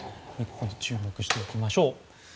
注目していきましょう。